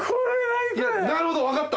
なるほど分かった。